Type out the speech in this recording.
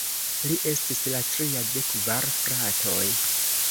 Li estis la tria de kvar fratoj.